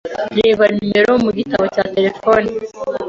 Reba nimero mu gitabo cya terefone .